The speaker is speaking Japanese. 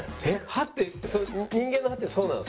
歯って人間の歯ってそうなんですか？